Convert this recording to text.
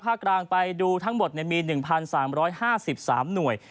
ภาคกลางไปดูทั้งหมดเนี่ยมี๑๓๕๓หน่วย